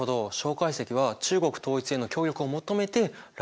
介石は中国統一への協力を求めて来日したんだね。